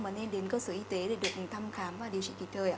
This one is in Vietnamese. mà nên đến cơ sở y tế để được thăm khám và điều trị kịch đời